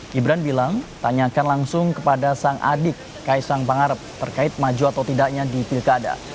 gibran bilang tanyakan langsung kepada sang adik kaisang pangarep terkait maju atau tidaknya di pilkada